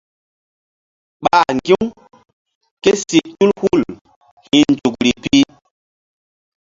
Ɓa ŋgi̧ u ké si tul hul hi̧ nzukri pi.